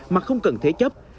mà không cần thế chấp